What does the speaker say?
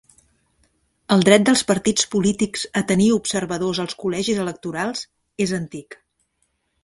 El dret dels partits polítics a tenir observadors als col·legis electorals és antic.